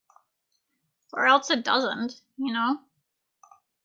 Or else it doesn’t, you know.